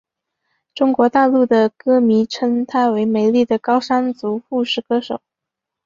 中国大陆的歌迷称她为美丽的高山族护士歌手。